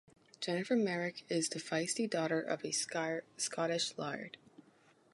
Jennifer Merrick is the feisty daughter of a Scottish laird.